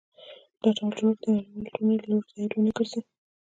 دا ډول جوړښت د نړیوالې ټولنې له لوري تایید ونه ګرځي.